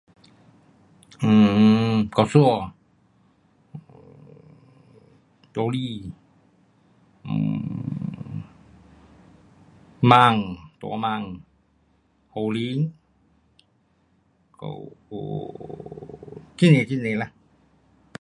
um 蟑螂，um 老鼠，um 蚊，大蚊，苍蝇，还有，很多很多啦。